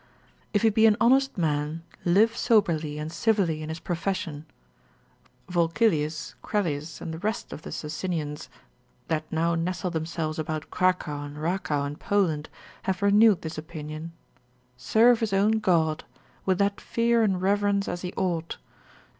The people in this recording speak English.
If he be an honest man, live soberly, and civilly in his profession, (Volkelius, Crellius, and the rest of the Socinians, that now nestle themselves about Krakow and Rakow in Poland, have renewed this opinion) serve his own God, with that fear and reverence as he ought.